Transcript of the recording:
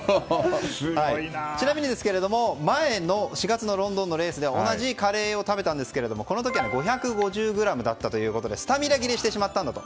ちなみに、前の４月のロンドンのレースでも同じカレーを食べたんですがこの時は５５０ｇだったということでスタミナ切れしてしまったんだと。